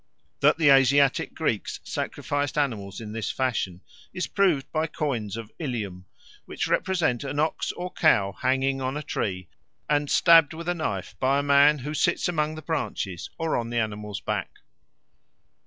That the Asiatic Greeks sacrificed animals in this fashion is proved by coins of Ilium, which represent an ox or cow hanging on a tree and stabbed with a knife by a man, who sits among the branches or on the animal's back.